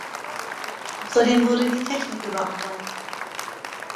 Außerdem wurde die Technik überarbeitet.